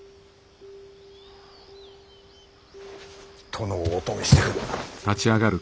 殿をお止めしてくる。